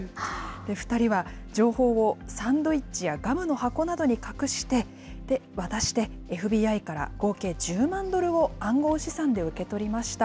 ２人は情報をサンドイッチやガムの箱などに隠して、渡して、ＦＢＩから合計１０万ドルを暗号資産で受け取りました。